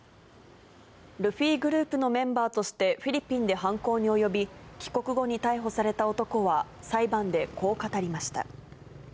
ルフィグループのメンバーとして、フィリピンで犯行に及び、帰国後に逮捕された男は、裁判でこう語りました。